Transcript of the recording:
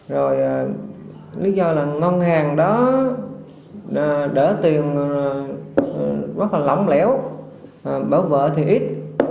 rồi lý do là ngân hàng đó để tiền rất là lỏng lẻo bảo vợ thì ít